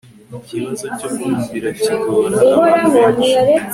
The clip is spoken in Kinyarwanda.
ikibazo cyo kumvira kigora abantu benshi